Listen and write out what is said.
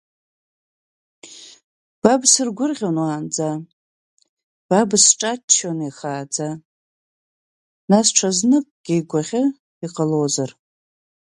Ба сбыргәырӷьон уаанӡа, ба бысҿаччон ихааӡа, нас ҽазныкгьы игәаӷьы, иҟалозар…